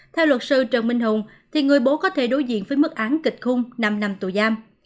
theo luật sư trần minh hùng thì người bố có thể đối diện với mức án kịch khung năm năm tù giam